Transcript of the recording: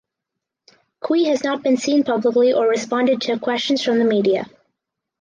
Qui has not been seen publicly or responded to questions from the media.